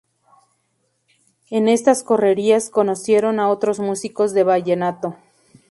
En estas correrías conocieron a otros músicos de vallenato.